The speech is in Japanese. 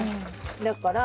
だから。